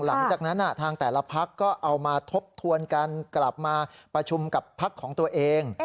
หลังจากนั้นทางแต่ละพักก็เอามาทบทวนกันกลับมาประชุมกับพักของตัวเอง